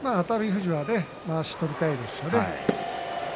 富士はまわしを取りたいですよね。